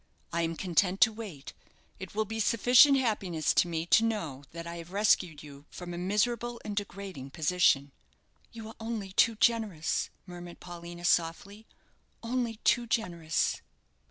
I am content to wait. It will be sufficient happiness to me to know that I have rescued you from a miserable and degrading position." "You are only too generous," murmured Paulina, softly; "only too generous."